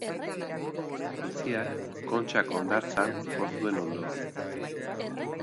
Ontziak Kontxako hondartzan jo zuen hondoa.